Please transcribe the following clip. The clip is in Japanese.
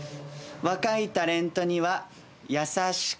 「若いタレントには優しく」